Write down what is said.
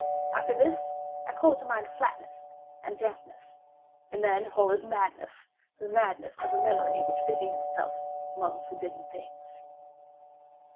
After this I call to mind flatness and dampness; and then all is madness—the madness of a memory which busies itself among forbidden things.